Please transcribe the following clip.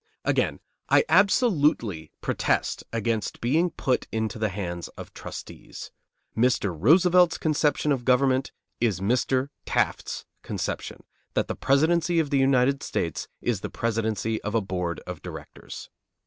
Again, I absolutely protest against being put into the hands of trustees. Mr. Roosevelt's conception of government is Mr. Taft's conception, that the Presidency of the United States is the presidency of a board of directors.